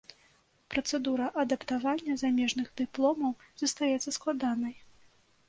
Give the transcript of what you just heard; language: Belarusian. Працэдура адаптавання замежных дыпломаў застаецца складанай.